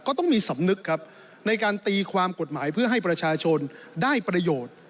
ต้องมีสำนึกครับในการตีความกฎหมายเพื่อให้ประชาชนได้ประโยชน์